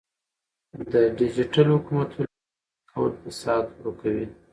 د ډیجیټل حکومتولۍ رامنځته کول فساد ورکوي.